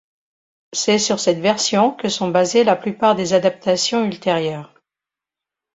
C'est sur cette version que sont basées la plupart des adaptations ultérieures.